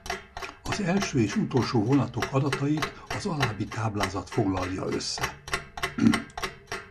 Az első- és utolsó vonatok adatait az alábbi táblázat foglalja össze.